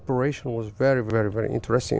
nó rất là quan trọng